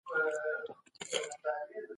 د بهرنیو چارو وزارت سرحدي امنیت نه کمزوری کوي.